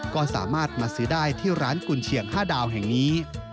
ก็สามารถมาซื้อได้ที่ร้านกุญเชียง๕ดาวแห่งนี้